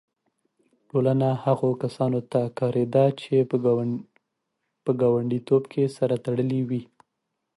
ټولنه هغو کسانو ته کارېده چې په ګانډیتوب کې سره تړلي وي.